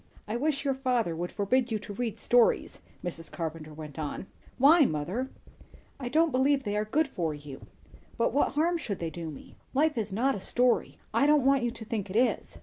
"I wish your father would forbid you to read stories," Mrs. Carpenter went on. "Why, mother?" "I don't believe they are good for you." "But what harm should they do me?" "Life is not a story. I don't want you to think it is."